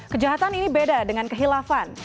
kejahatan ini beda dengan kehilafan